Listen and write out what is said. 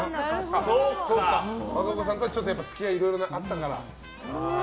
和歌子さんとは付き合いがいろいろあったから。